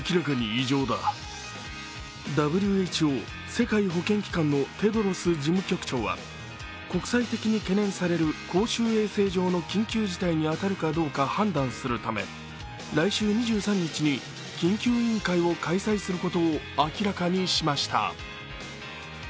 ＷＨＯ＝世界保健機関のテドロス事務局長は国際的に懸念される公衆衛生上の緊急事態に当たるかどうか判断するため来週２３日に緊急委員会を開催することを明らかにしました。